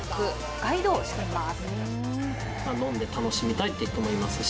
ガイドをしています。